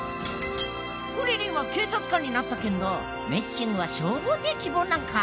クリリンは警察官になったけどメッシングは消防隊希望なのか。